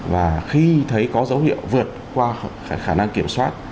và khi thấy có dấu hiệu vượt qua khả năng kiểm soát